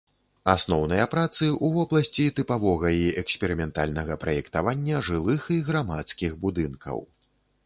Асноўныя працы ў вобласці тыпавога і эксперыментальнага праектавання жылых і грамадскіх будынкаў.